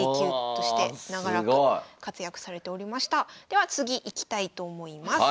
では次いきたいと思います。